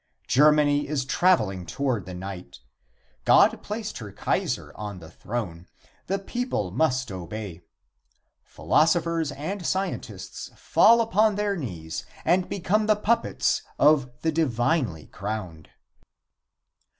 Germany is traveling toward the night. God placed her Kaiser on the throne. The people must obey. Philosophers and scientists fall upon, their knees and become the puppets of the divinely crowned.